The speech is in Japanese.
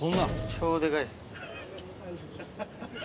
超でかいっす。